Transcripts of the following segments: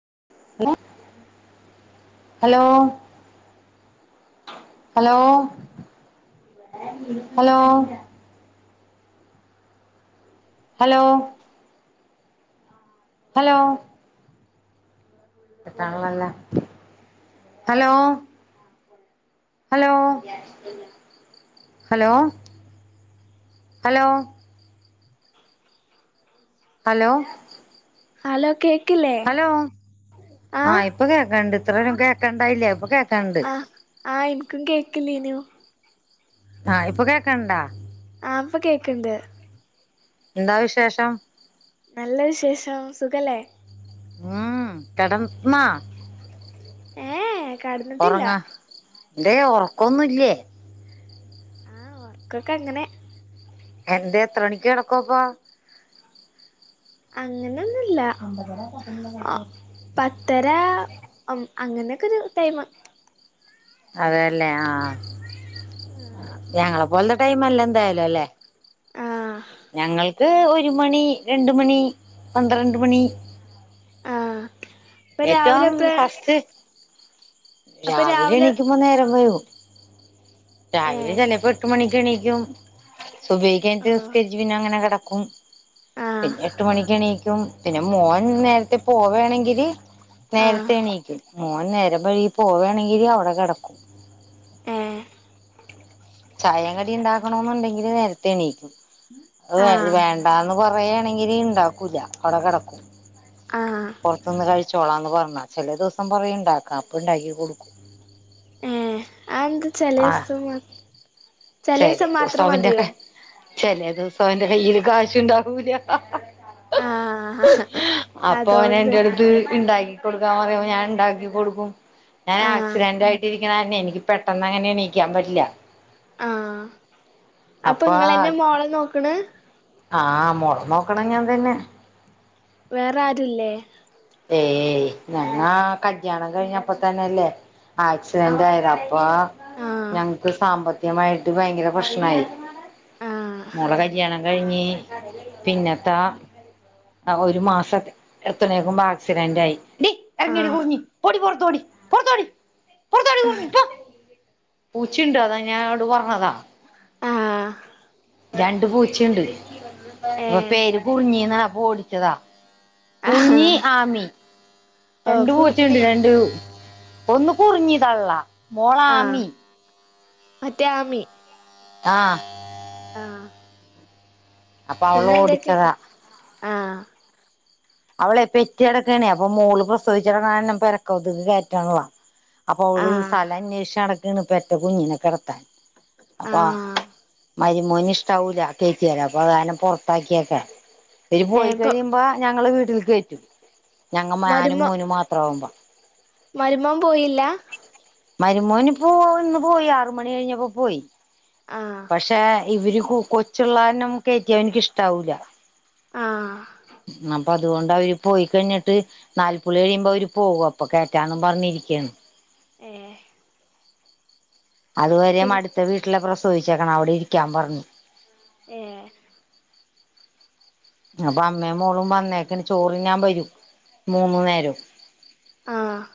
[unintelligible] Hello hello hello hello hello [unintelligible] hello hello hello hello hello hello കേക്ക് hello ആ ഇപ്പൊ കേക്കണ്ട് ഇത്ര നേരം കേക്കണ്ടായില്ല്യാ ഇപ്പൊ കേ രണ്ട് ആഹ് ആഹ് എനിക്കും കേക്കലേനു ആ ഇപ്പൊ കേക്കണ്ടാ ആപ്പോ കേക്കണ്ട് എന്താ വിശേഷം നല്ല വിശേഷം സുഖല്ലേ ഉം കടംന്നാ ഏയ് കടന്നിട്ടില്ല എന്തേയ് ഉറക്കോന്നില്ലേ ആഹ് ഒറക്കൊക്കെ അങ്ങനെ എന്തേ എത്ര മണിക്ക് കിടക്കോപ്പം അങ്ങനെന്നുമില്ല പത്തര അങ്ങനെയൊക്കെ ഒരു ടൈമ് അതേല്ലേ ആ ഞങ്ങള പോല ടൈംല്ല എന്തായാലുമല്ലെ ആഹ് ഞങ്ങൾക്ക് [unintelligible] ഒരു മണി രണ്ട് മണി പന്ത്രണ്ട് മണി ആ ഏറ്റവും ഫസ്റ്റ് രാവിലെ എണീക്കുമ്പോ നേരം വെളുക്കും രാവിലെ ഏഹ് ചിലപ്പോ എട്ട് മണി [unintelligible] ണിക്കും [unintelligible] സുബൈക്കെ എണീറ്റ് ഓഹ് നിസ്കരിച്ച് പിന്നെ അങ്ങന തും ആഹ് പിന്നെ എട്ട് മണിക്ക് എണീക്കു [unintelligible] പിന്നെ മോൻ നേരത്തെ പോവേണെങ്കില് ആഹ് നേർത്തേണീക്ക് മൂൻ നേരം വഴി പോവണെങ്കില് അവിടെ കിടക്കും ആ ചായ കടി ഉണ്ടാക്കണോ എന്നുണ്ടെങ്കിൽ നേര തണീക്ക ആഹ് വേണ്ടന്ന് കൊറയാ ണ്ടാക്കൂല അപ്പൊ അവിടെ കെടക്കും ആഹ് പുറത്തുനിന്ന് കഴിച്ച ചോളാന്ന് പറഞ്ഞ ചില ദിവസം പറയും ഇണ്ടാക്ക അപ്പ ഉണ്ടാക്കി കൊടുക്കും ആഏ ആന്ത ചലസ ആഹ് മ ചല ദിവസം മാത്രം മതിയോ ചില ദിവസം അവന്റെ കയ്യിയില് കാശുണ്ടാവൂല ആഹ അപ്പൊ അവന് അതൊണ്ട് എന്റെ അടുത്ത് ഇണ്ടാക്കി കൊടുക്കാൻ പറയും അപ്പൊ ഞാൻ ഉണ്ടാക്കി കൊടുക്കും ഞാൻ ആഹ് ആക്സിഡന്റ് ആയിട്ടിരിക്കും കാരണേ എനിക്ക് പെട്ടെന്ന് അങ്ങനെണീയിക്കാൻ പറ്റില്ല ആഹ് അപ്പൊ ങ്ങളെ ന്നെ മോളെ നോക്കണ് ആഹ് മോളെ നോക്ണ ഞാൻ തന്നെ വേറെ ആരുല്ലേ ഏയ് ഞങ്ങാ കല്ല്യാണം കഴിഞ്ഞപ്പോ തന്നെല്ലേ ആക്സിഡന്റ് ആയത് അപ്പൊ ആഹ് ഞങ്ങക്ക് സാമ്പത്തികമായിട്ട് ഭയങ്കര പ്രശ്നമായി ആഹ് മോളെ കല്യാണം കഴിഞ്ഞ് പിന്നത്തൊ ഒരു മാസ ഒക്കെ എത്തണേക്കുമ്പോ ആക്സിഡന്റായി ടി ഇറങ്ങടി ആഹ് കുറിഞ്ഞി പൊടി പുറത്ത് പോടി പു റത്തോടി പുറു ത്തോടി കുർഞ്ഞി പ്പോ പൂച്ചയുണ്ട് അതാ [unintelligible] ട് പറഞ്ഞതാ ആഹ് രണ്ട് പൂച്ചയുണ്ട് അപ്പൊ ഏഹ് പേര് കുർഞ്ഞിന്നാ ഓടിച്ചതാ ആഹ് കുറിഞ്ഞി ആമി ഓഹ് രണ്ട് പൂച്ചയുണ്ട് പൂർണിയ രണ്ട് ഒന്ന് കുറിഞ്ഞിതള്ള ആഹ് മോളാമി മറ്റേ ആമി ആ ആഹ് അപ്പ പിന്നെന്തൊക്കെ അവളോടിച്ചതാ ആഹ് അവളെ പെറ്റെടക്കാണേ അപ്പൊ മോള് പ്രസവിച്ച് കെടന്ന കാരണം പെരക്കകത്തിക്ക് കേറ്റണില്ല അപ്പൊ ഓള് ആഹ് സ്ഥല അന്വേഷിച്ച് നട ക്കാണ് പെറ്റ കുഞ്ഞിനെ കെടത്താൻ അപ്പാ ആഹ് മരിമോന് ഇഷ്ടവൂല്ല കേറ്റ്യാല് അപ്പൊ അതുകാരണം പൊറത്താക്ക്യേക്കാ ഇവര് ഏഹ് പോയി ഇപ്പൊ കഴിയുമ്പോ ഞങ്ങള് വീ ട്ടിൽ കേറ്റും ഞങ്ങ മാനും മരുമോ മോനും മാത്രമാവുമ്പോ മരുമോൻ പോയില്ല? മരുമോന്പ്പോ ഇന്ന് പോയി ആറ്മണി കഴിഞ്ഞപ്പൊ പോയി ആഹ് പക്ഷെ ഇവര് കു കൊച്ചുള്ളാരണം കേറ്റ്യ ഓന്ക്ക് ക്കിഷ്ടാവൂല ആഹ് ന അപ്പൊ അതുകൊണ്ട് അവര് പോയി കഴിഞ്ഞിട്ട് നാല്പ്പുള്ളി കഴിയുമ്പോ അവര് പോവും അപ്പൊ കേറ്റാന്നും പറഞ്ഞിരിക്കാണ് ഏ അതുവരെയും അടുത്ത വീട്ടില പ്രശ് ചോദിച്ചക്കണേ അവിടെ ഇരിക്കാൻ പറഞ്ഞു ഏ അപ്പൊ അമ്മേം മോളും വന്നേക്കാണ് ചോറിനാൻ വരും മൂന്നു നേരും ആഹ്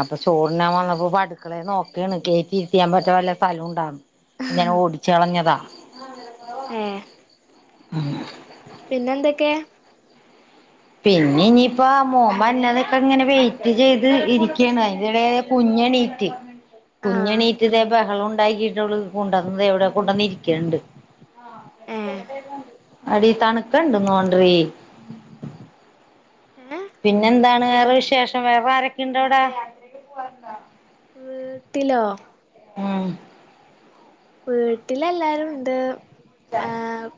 അപ്പ് ചോറിനാൻ വന്നപ്പൊ പ്പടുക്കളെ നോക്കാണ് കേറ്റിരിത്യാൻ പറ്റ്യേ വല്ല സ്ഥലുണ്ടാന്ന് ഞാൻ ഓടിച്ചളഞ്ഞതാ [unintelligible] [unintelligible] ആ പിന്നെന്തെക്കേ പിന്നെ ഇനിപ്പ മോൻ വരണതൊക്കെങ്ങനെ വെയിറ്റ് ചെയ്ത് ഇരിക്കാണ് അതിന്റെടെല് കുഞ്ഞെണീറ്റ് ആഹ് കുഞ്ഞണീറ്റ് ദേ ബഹളൊ ണ്ടാക്കിയിട്ട് അവള് കൊണ്ടന്ന് ദേ ഇവിടെ കൊണ്ടന്നിരിക്കണ്ട് ആഹ് ചെറ്യേ ഏഹ് സൗണ്ട് കേക്കാണ്ട് അടീ തണുക്കണ്ട് തോൻഡ്രി ഏഹ് വേറെ വിശേഷം വേറെ ആരൊക്കെ ഉണ്ടവിടെ വീട്ടിലോ ഉം വീട്ടിലെല്ലാരും ഉണ്ട് ത [inaudible] ആഹ്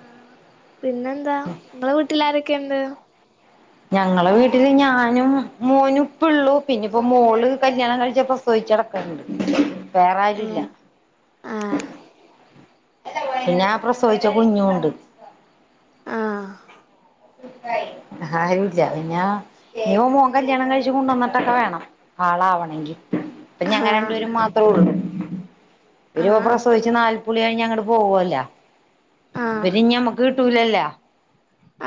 ആഹ് പിന്നെന്താ നിങ്ങളെ വീട്ടിലാരൊ ക്കെ ഉണ്ട് ഞങ്ങള് വീട്ടില് ഞാനും മോനും ഇപ്പൊള്ളു പിന്നിപ്പോ മോള് കല്യാണം കഴിച്ച് പ്രസവിച്ച് കെടക്കാണ് വേറെരും ഇല്ല ഏഹ് ആഹ് പിന്നെ പ്രസവിച്ച കുഞ്ഞുവുണ്ട് ആഹ് ആരൂല്ല പിന്നെ ഇനിയൊരു മോൻ കല്യാണം കഴിച്ചു കൊണ്ട് വന്നിട്ടൊക്കെ വേണം ആളാവണെങ്കി ഇപ്പ ഞങ്ങ ആഹ് രണ്ടുപേരും മാത്ര ഉള്ളൂ [unintelligible] ആഹ് പ്രസവിച്ചു നാല് പുളി കഴിഞ്ഞങ്ങ് അങ്ങട് പോവുവല്ല ആഹ് പി ഞമക്ക് റ്റൂലല്ല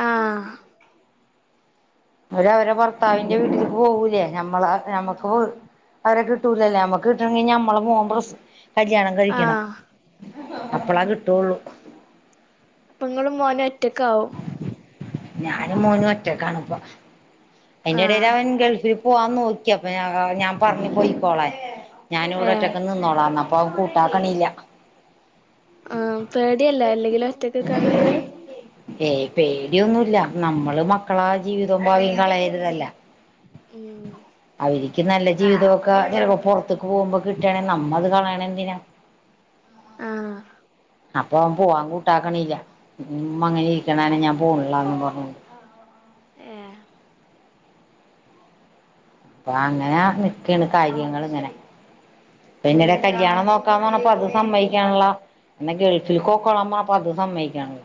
ആഹ് അവര് അവരെ ഭർത്താവിന്റെ വീട്ടില് പോകൂലേ നമ്മള് നമ്മക്ക് അവരെ കിട്ടൂലല്ലേ നമ്മക്ക് കിട്ടണെ നമ്മളെ മോൻ പ്രസ് കല്യാണം കഴിക്കണം ആഹ് അപ്പളേ കിട്ടുള്ളു അപ്പം ഇങ്ങളും മോനും ഒറ്റക്ക് ആവും ഞാനും മോനും ഒറ്റക്കാണിപ്പം അതിന്റെ ഇടയിൽ ആഹ് അവൻ ഗൾഫിൽ പോവാൻ നോക്കിയപ്പം ഞാൻ പറഞ്ഞ് പൊയ്ക്കോളാൻ ഞാൻ ഇവിടെ ഏഹ് ഒറ്റക്ക് നിന്നോളാം എന്ന് അപ്പൊ അവൻ കൂട്ടാക്കണില്ല ആ പേടിയല്ലേ അല്ലെങ്കിലും ഒറ്റക്ക്ക്ക ഇങ്ങക്ക് ഏയ് പേടിയൊന്നുമില്ല നമ്മള് മക്കളാ ജീവിതവും ഭാവിയും കളയരുതല്ലോ ഉം ആയിരി എനിക്ക് നല്ല ജീവിതമൊക്കെ ചിലപ്പോ പൊറത്തേക്ക് പോകുമ്പോ കിട്ടുകയാണെ നമ്മള് കളയണത് എന്തിനാ ആഹ് അപ്പൊ അവൻ പോവാൻ കൂട്ടാക്കണില്ല ഉം അങ്ങനെ ഇരിക്കണേന് ഞാൻ പോണില്ലാന്നും പറഞ്ഞ് ഏ അപ്പൊ അങ്ങനെ നിക്കെയാണ് കാര്യങ്ങള് ഇങ്ങനെ പിന്നീട് ഉം കല്യാണം നോക്ക നോക്കാന്ന് പറഞ്ഞപ്പം അത് സമ്മയ്ക്കണില്ല എന്നാ ഗൾഫിൽ പൊക്കോളാൻ അപ്പം അതും സമ്മയ്ക്കുന്നില്ല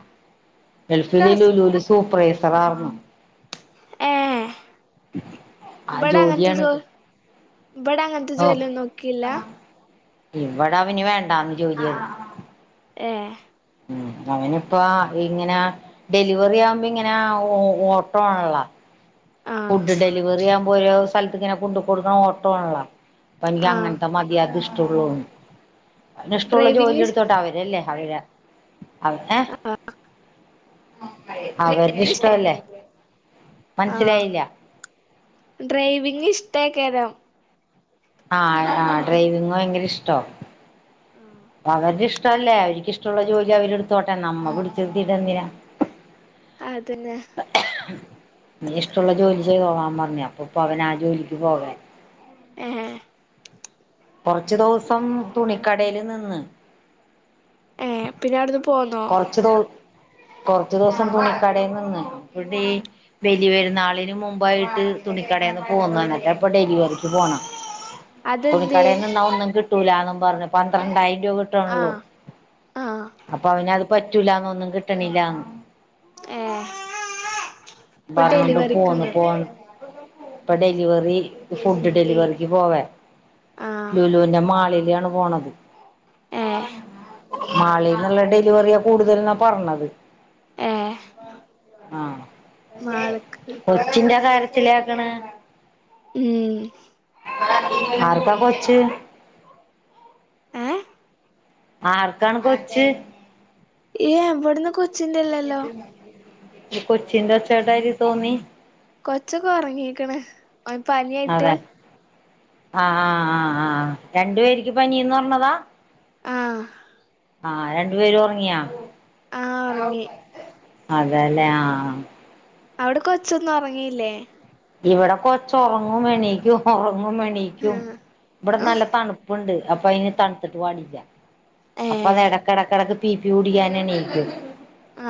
ഇങ്ങക്ക് ഗൾഫില് ഈ ഹസ് ലുലുവിൽ സൂപ്പർവൈ തല കറങ്ങും ഏഹ് ആ ഇവിടെ അങ്ങനത്തെ ജോ ജോലിയാണിത് ഇവിടെ അങ്ങനത്തെ ഓ ജോലിയൊന്നും നോക്കിയില്ല ഇവിടെ അവന് വേണ്ടാന്ന് ജോലിയൊന്നും ഏഹ് ഉം അവനി ഇപ്പ ഇങ്ങനെ ഡെലിവറി ആവുമ്പോ ഇങ്ങനെ ഓട്ടോ ആണള്ള ആഹ് ഫുഡ് ഡെലിവറി ആവുമ്പോ ഓരോ സ്ഥലത്ത് ഇങ്ങനെ കൊണ്ടു കൊടുക്കണം ഓട്ടം ആണ്ല്ലൊ പ്പ നിക്ക് ആഹ് അങ്ങനത്തെ മതി അതിഷ്ട റ്റുള്ളൂന്ന് അവന് ഇഷ്ടുള്ള ജോലി ഡ്രൈവിംഗ് എടുത്തോട്ടെ അവര് അല്ലേ [unintelligible] അവന് അവരുടെ ഡ്രൈവിംഗ് ഇഷ്ടാ ഇഷ്ടല്ലേ ആഹ് മനസ്സിലായില്ല ഡ്രൈവിങ് ഇഷ് ത്തേക്കതം ആഹ് ആ ഡ്രൈവിങ്ങ് ഭയങ്കര ഇഷ്ടാ അവന്റെ ഇഷ്ടല്ലേ അവരിക്ക് ഇഷ്ടള്ള ജോലി അവരിട്ടത്തോട്ടേ നമ്മ പിടിച്ച് തീർത്തിട്ട് എന്തിനാ അതന്നെ ഇഷ്ടമുള്ള ജോലി ചെയ്തോളാന്ന് പറഞ്ഞെ അപ്പൊപ്പ അവന് ആ ജോലിക്ക് പോകാലോ ഏഹ് കൊറച്ചു ദിവസം തുണിക്കടെൽ നിന്ന് ഏഹ് പിന്നെ ആടുന്ന് പോ കൊറച്ചു നാൾ കൊറച്ചു ദിവസം തുണിക്കടെ നിന്ന് പിന്നെ ഈ വലിയ പെരുനാളിന് മുമ്പായിട്ട് തുണിക്കടെന്ന് പോന്നു അതോണ്ട് ഇപ്പൊ ഡെലിവറിക്ക് പോണെ അതെന്തേ തുണിക്കടെ നിന്നാ ഒന്നും കി ട്ടൂലാന്ന് പറഞ്ഞ് പന്ത്രണ്ടായിര ആഹ് ആഹ് അത് പറ്റൂലാന്ന് ഒന്നും കിട്ടണില്ലാന്ന് ഏഹ് ഇപ്പൊ ട്ടവിട്ന്ന് പോന്ന് ഡെലിവറിക്ക്ന്ന് പോ ഇപ്പൊ ഡെലിവറി ഫുഡ് ഡെലിവറിക്ക് പോവ ആഹ് ലൂലൂന്റെ മാളില് ആണ് പോണത് ഏഹ് മാളിൽ ന്നുള്ള ഡെലിവറിയാ കൂടുതൽ എന്നാ പറഞ്ഞത് ഏഹ് ആഹ് മാള്ക്ക് കൊച്ചിന്റെ കാര്യ കരച്ചില് കേക്കണ് ഉം ആർക്കാ കൊച്ച് ഏഹ് ആർക്കാണ് കൊച്ച് ഏ എവിടന്ന് കൊ ച്ചില്ലല്ലോ ഇ കൊച്ചിന്റെ ഒച്ചേട്ടാതിരി തോന്നി കൊച്ചൊക്കെ ഒറങ്ങീക്ക്‌ണ്‌ ഓന് പനിയായിട്ട് അതെ ആഹ് ആഹ് ആഹ് ആഹ് രണ്ടു ആഹ് പേര്ക്ക് പനീന്ന് പറ ന്നതാ ആഹ് ആ രണ്ട് പേരും ഒറങ്ങിയാ ആഹ് ഒറങ്ങി അതേല്ലേ ആ അവിടെ കൊച്ചൊന്നും ഒറങ്ങില്ലേ ഇവിടെ കൊച്ച് ഒറങ്ങും എണീക്കും ഒറ ങ്ങും എണീക്കും ആഹ് ഇവടെ നല്ല തണുപ്പുണ്ട് അപ്പ അയിന് തണുത്തിട്ട് പാടില്ല അപ്പൊ അത് ഏഹ് എടക്ക്‌ എടക്ക്‌ടക്ക് പി പി കുടിക്കാന് എണീക്കും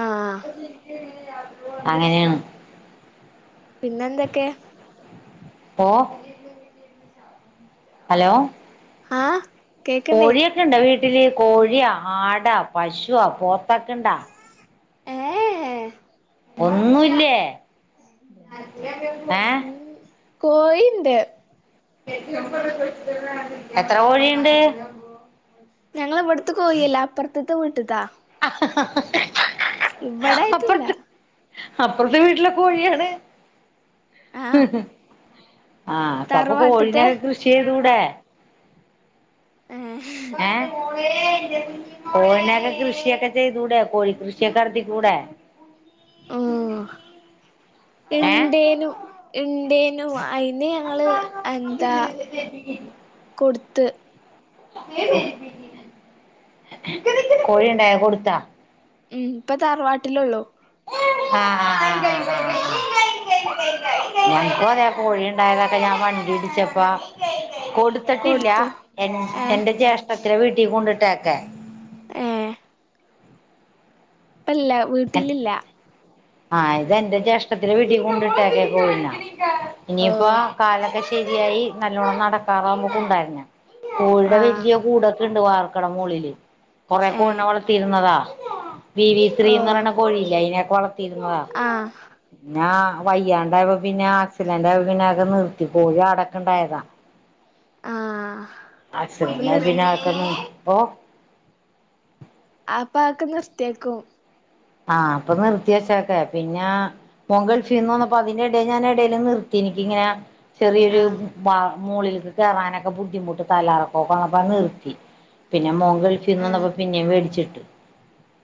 ആഹ് അങ്ങനെയാണ് പിന്നെന്തൊക്കെ ഓ ഹലോ ആ കോഴിയൊക്കെണ്ടോ വീ ട്ടില് കോഴിയോ ആടൊ പശോ പോത്തൊക്കെ ഇണ്ടാ ഏഹ് ഒന്നുല്ലേ ഏ കോഴിണ്ട് എത്ര കോഴിയ്ണ്ട് ഞങ്ങളവ്ട് ത്തെ കോഴിയല്ലാ അപ്പർത്ത്ത്ത വീട്ട്ത്ത ഇവിടായിട്ടില്ല അപ്പുറത്ത് അപ്പുറത്തെ വീട്ടിലൊക്കെ കോഴിയാണ് ആഹ് ആഹ് അപ്പ അപ്പൊ തറവാട്ടത്തെ കോഴിനെക്കെ കൃഷി ചെയ്തു ട്ടെ ഏഹ് ഏ കോഴിയൊക്കെ അങ്ങനൊന്നുല്ല കൃഷിയൊക്കെ ചെയ്തൂടെ കോഴി കൃഷി ഒക്കെ നടത്തികൂടെ ഉം ഏ ഇണ്ടേനു ഇണ്ടേ നു അയി പിന്നെ ഞങ്ങള് എന്താ കൊടുത്ത് കോഴിണ്ടായ കൊടുത്താ ഉം ഇപ്പൊ തറവാട്ടിലോള്ളൂ ആ നപ്പോ അതേ കോഴി ഉണ്ടായതൊക്കെ ഞാൻ വണ്ടി ഇടിച്ചപ്പാ കൊടുത്തിട്ടില്ല കൊടുത്തു എ ഏഹ് എന്റെ ജ്യേഷ് [unintelligible] വീട്ടിൽ കൊണ്ടിട്ടേക്കാ ഏ ഇപ്പല്ല വീട്ടിലില്ല ആഹ് ഇതെന്റെ ജ്യേഷ്ഠത്തിെന്റെ വീട്ടി കൊണ്ടിട്ടക്കെ കോഴിനെ ഇനിയിപ്പോ ഓഹ് കാലകഷി തിയായി നല്ലോണ്ണം നടക്കാറാകുമ്പോ കുണ്ടേരണം കോഴിയുടെ ആഹ് വലിയ കൂടൊക്കെ ഉണ്ട് വാർക്കട മളില് കൊറെ കോഴിനെ ഏഹ് വളർത്തിയിരുന്നതാ വി വി സ്ത്രീ ന്ന് ഓഹ് പറയണ കോഴയില്ല അയിന വള രുന്നുതാ ആഹ് ഞാ വയ്യാണ്ടപ്പോ പിന്നെ ആക്സിഡന്റായ പിന്നെ ഒക്കെ നിർത്തി കോഴി ആടക്കണ്ടായതാ ആഹ ആക്‌സിഡന്റ്ആയ പിന്നെ അതോക്കെ നിർ ഓഹ് ആപ്പ ആക്കെ നിർത്തിയെക്കും ആഹ് അപ്പൊ നിർത്തിയ വച്ചക്കെ പിന്നെ മോൻ ഗൾഫിന്ന് വന്നപ്പ അതിന്റെ ഇടൽ ഞാൻ ഇടലും നിർത്തി എനിക്കിങ്ങനെ ചെറിയൊരു ആഹ് മാ മുകളിലക്ക് കേയറാനൊക്കെ ബുദ്ധിമുട്ട് തലാക്കറക്കെന്നപ്പ നിർത്തി പിന്നെ മോൻ ഗൾഫിന്ന് ആഹ് വന്നപ്പോ പിന്നെയും മേടിച്ചിട്ട്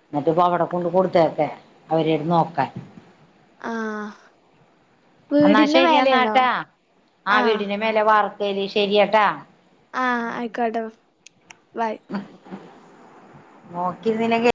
എന്നിട്ട് പ്പവടേ കൊണ്ട് കൊടുത്തേക്കെ അവരട് നോക്കാൻ ആ എന്നാ ശരി എന്നാട്ടാ ആ ആഹ് വീടിന് മേലെ വാർ ശരി ശരിയട്ടാ ആഹ് ആയിക്കോട്ടെം ബൈ നോക്കിരുന്നില്ലെങ്കി